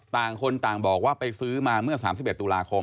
ต่างคนต่างบอกว่าไปซื้อมาเมื่อ๓๑ตุลาคม